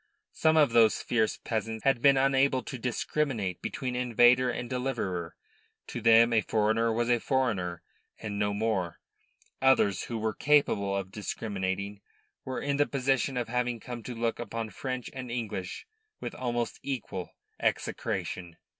Some of those fierce peasants had been unable to discriminate between invader and deliverer; to them a foreigner was a foreigner and no more. Others, who were capable of discriminating, were in the position of having come to look upon French and English with almost equal execration.